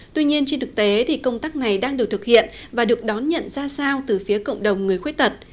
tuy nhiên trên thực tế thì công tác này đang được thực hiện và được đón nhận ra sao từ phía cộng đồng người khuyết tật